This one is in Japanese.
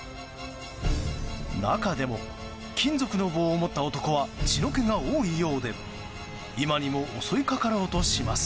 中でも金属の棒を持った男は血の気が多いようで今にも襲いかかろうとします。